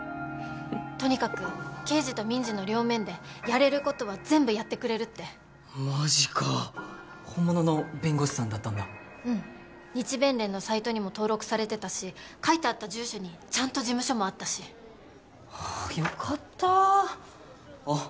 とにかく刑事と民事の両面でやれることは全部やってくれるってマジか本物の弁護士さんだったんだうん日弁連のサイトにも登録されてたし書いてあった住所にちゃんと事務所もあったしよかったあっ